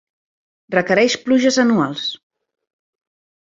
Requereix pluges anuals.